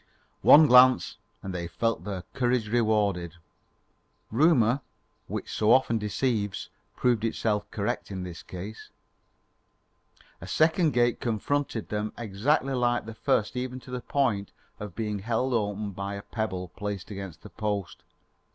One glance and they felt their courage rewarded. Rumour, which so often deceives, proved itself correct in this case. A second gate confronted them exactly like the first even to the point of being held open by a pebble placed against the post.